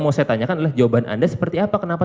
mau saya tanyakan adalah jawaban anda seperti apa kenapa